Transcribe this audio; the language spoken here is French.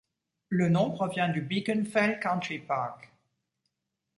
Le nom provient du Beacon Fell Country Park.